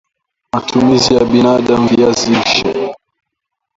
Matumizi ya binadam Viazi lishe